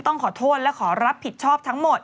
ต้องขอโทษและขอรับผิดชอบทั้งหมด